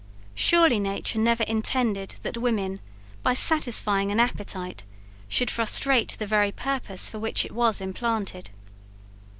Surely nature never intended that women, by satisfying an appetite, should frustrate the very purpose for which it was implanted?